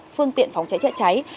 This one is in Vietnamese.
phương tiện phòng cháy cháy